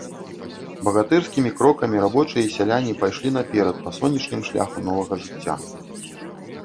Багатырскімі крокамі рабочыя і сяляне пайшлі наперад па сонечным шляху новага жыцця.